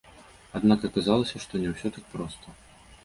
Аднак аказалася, што не ўсё так проста.